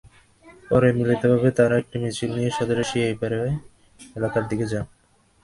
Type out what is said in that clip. পরে মিলিতভাবে তাঁরা একটি মিছিল নিয়ে সদরের সিপাহীপাড়া এলাকার দিকে যান।